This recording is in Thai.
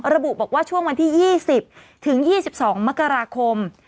ระบุบอกว่าช่วงวันที่๒๐ถึง๒๒มกราคม